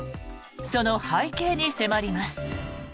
その背景に迫ります。